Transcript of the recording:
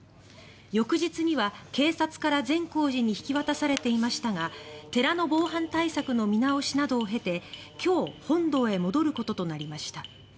翌日には、警察から善光寺に引き渡されていましたが寺の防犯対策の見直しなどを経て今日本堂へ戻ることとなりました。